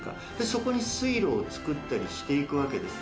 そこに、水路を作ったりしていくわけです。